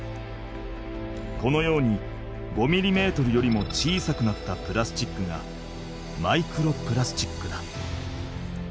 このように５ミリメートルよりも小さくなったプラスチックがマイクロプラスチックだ。